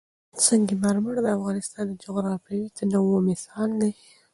سنگ مرمر د افغانستان د جغرافیوي تنوع مثال دی.